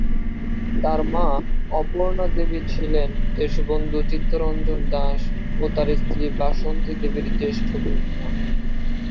তাঁর মা অপর্ণা দেবী ছিলেন দেশবন্ধু চিত্তরঞ্জন দাশ ও তাঁর স্ত্রী বাসন্তী দেবীর জ্যেষ্ঠা কন্যা।